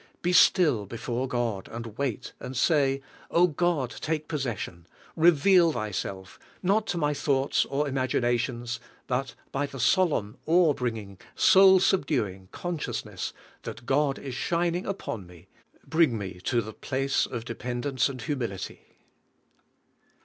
Be still before God, and wait, and say: "Oh, God, take possession. Reveal Thj'self, not to my thoughts or imaginations, but by the solemn, awe bringing, soul subduing conscious ness that God is shining upon me bring me to the place of dependence and humility."